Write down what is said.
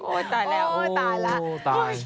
โอ๊ยตายแล้วโอ้ยตายแล้วอุ๊ยตาย